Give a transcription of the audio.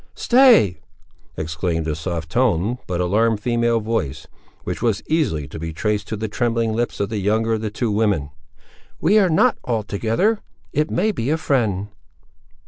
"Stay!" exclaimed a soft toned, but alarmed female voice, which was easily to be traced to the trembling lips of the younger of the two women; "we are not altogether; it may be a friend!"